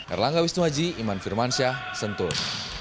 erlangga wisnuaji iman firmansyah sentul